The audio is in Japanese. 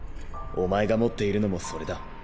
お前が持っているのもそれだ。